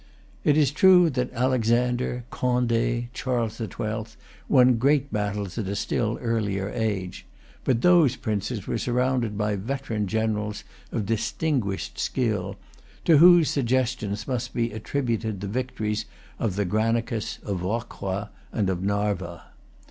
It is true that Alexander, Conde, and Charles the Twelfth, won great battles at a still earlier age—but those princes were surrounded by veteran generals of distinguished skill, to whose suggestions must be attributed the victories of the Granicus, of Rocroi and of Narva.